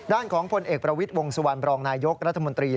ด้านของผลเอกประวิษฐ์วงศ์สวรรค์บรองนายกรัฐมนตรี